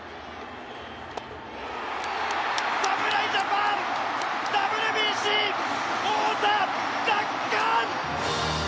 侍ジャパンＷＢＣ王座奪還！